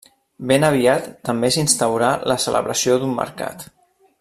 Ben aviat també s'instaurà la celebració d'un mercat.